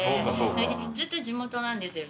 それでずっと地元なんですよ